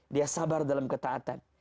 dia sabar dalam ketaatan